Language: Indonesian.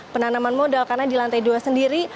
penanaman modal karena di lantai dua sendiri